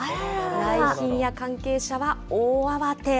来賓や関係者は大慌て。